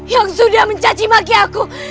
yang sudah mencaci magi aku